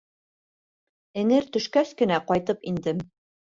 Эңер төшкәс кенә ҡайтып индем.